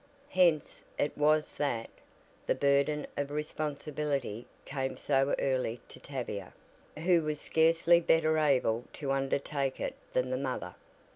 Hence it was that the burden of responsibility came so early to Tavia, who was scarcely better able to undertake it than the mother.